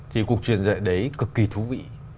thì cuộc truyền dạy đấy cực kỳ thú vị